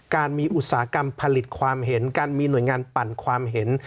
การมีอุตสาหกรรมผลิตความเห็นการมีหน่วยงานปั่นความเห็น